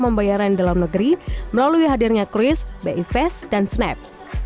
pembayaran dalam negeri melalui hadirnya kris bifes dan snap